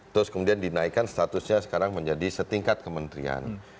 terus kemudian dinaikkan statusnya sekarang menjadi setingkat kementerian